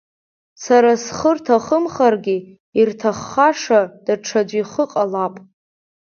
Сара схы рҭахымхаргьы, ирҭаххаша даҽаӡә ихы ҟалап…